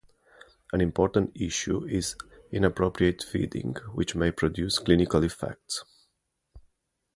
An important issue is inappropriate feeding, which may produce clinical effects.